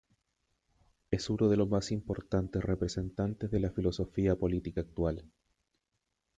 Es uno de los más importantes representantes de la filosofía política actual.